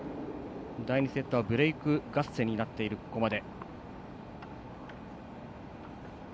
第２セットはブレーク合戦になっているここまで。